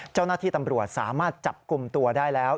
เจ้าหน้าที่ตำรวจสามารถจับกลุ่มตัวได้แล้ว